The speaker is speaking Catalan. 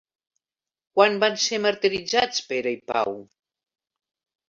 Quan van ser martiritzats Pere i Pau?